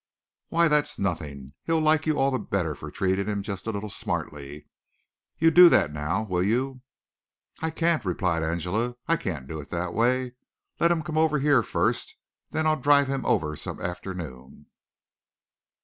Why that's nothing. He'll like you all the better for treating him just a little smartly. You do that now, will you?" "I can't," replied Angela. "I can't do it that way. Let him come over here first; then I'll drive him over some afternoon."